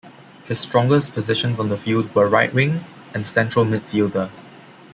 His strongest positions on the field were right wing and central midfielder.